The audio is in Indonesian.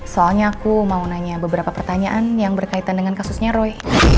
soalnya aku mau nanya beberapa pertanyaan yang berkaitan dengan kasusnya roy